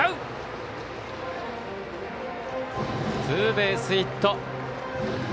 ツーベースヒット。